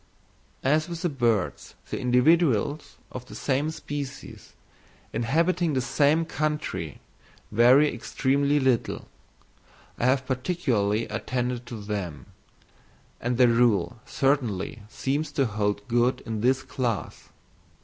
As with birds the individuals of the same species, inhabiting the same country, vary extremely little, I have particularly attended to them; and the rule certainly seems to hold good in this class.